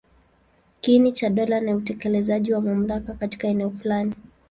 Kiini cha dola ni utekelezaji wa mamlaka katika eneo fulani.